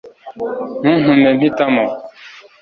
ntuntume mpitamo